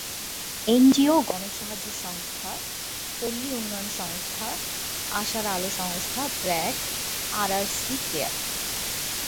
NGO গণসাহায্য সংস্থা, পল্লী উন্নয়ন সংস্থা, আশার আলো সংস্থা, ব্র্যাক, আরআরসি, কেয়ার।